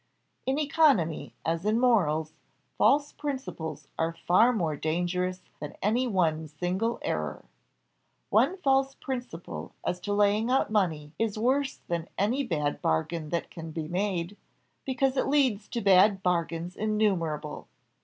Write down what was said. In economy, as in morals, false principles are far more dangerous than any one single error. One false principle as to laying out money is worse than any bad bargain that can be made, because it leads to bad bargains innumerable.